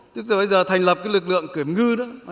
tức là bây giờ thành lập cái lực lượng kiểm ngư đó